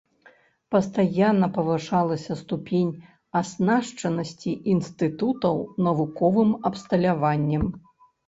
Пастаянна павышалася ступень аснашчанасці інстытутаў навуковым абсталяваннем.